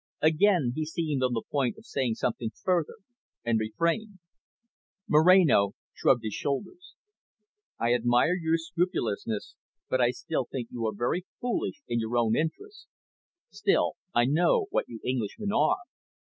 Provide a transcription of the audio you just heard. Again he seemed on the point of saying something further, and refrained. Moreno shrugged his shoulders. "I admire your scrupulousness, but I still think you are very foolish in your own interests. Still, I know what you Englishmen are.